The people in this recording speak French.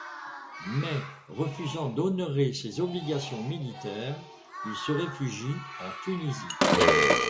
Mais, refusant d'honorer ces obligations militaires, il se réfugie en Tunisie.